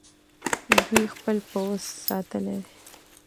دوی خپل پوځ ساتلی دی.